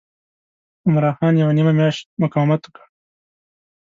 عمرا خان یوه نیمه میاشت مقاومت وکړ.